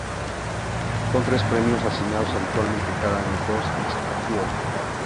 Son tres los premios asignados habitualmente cada año, "todos ex aequo".